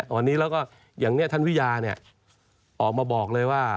วันนี้แล้วก็อย่างนี้ท่านวิยาออกมาบอกเลยว่า